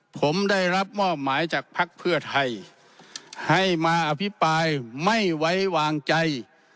ผมได้รับมอบหมายจากภักดิ์เพื่อไทยให้มาอภิปรายไม่ไว้วางใจ